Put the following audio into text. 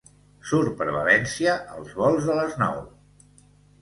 Surt per València als volts de les nou.